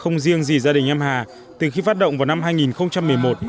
không riêng gì gia đình em hà từ khi phát động vào năm hai nghìn một mươi một